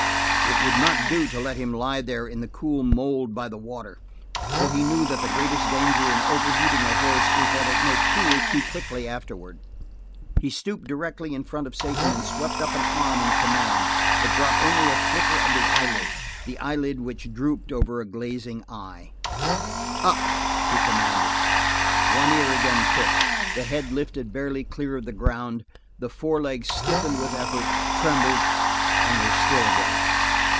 It would not do to let him lie there in the cool mold by the water, for he knew that the greatest danger in overheating a horse is that it may cool too quickly afterward. He stooped directly in front of Satan and swept up an arm in command; it brought only a flicker of the eyelid, the eyelid which drooped over a glazing eye. "Up!" he commanded. One ear again pricked; the head lifted barely clear of the ground; the forelegs stiffened with effort, trembled, and were still again.